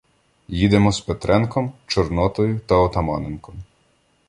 їдемо з Петренком, Чорнотою та Отаманенком.